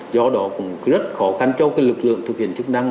do đó cũng rất khó khăn cho lực lượng thực hiện chức năng